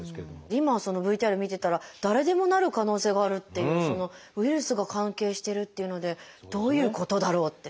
今ＶＴＲ見てたら誰でもなる可能性があるっていうウイルスが関係してるっていうのでどういうことだろう？って。